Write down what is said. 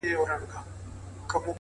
• پر پاتا یې نصیب ژاړي په سرو سترګو,